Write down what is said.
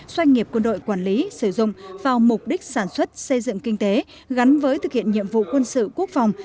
doanh nghiệp quân đội quản lý sử dụng vào mục đích sản xuất xây dựng kinh tế gắn với thực hiện nhiệm vụ quân sự quốc phòng